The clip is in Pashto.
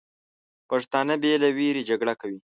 پښتانه بې له ویرې جګړه کوي.